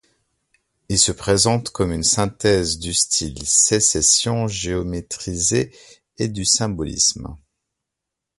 Il se présente comme une synthèse du style Sécession géométrisé et du symbolisme.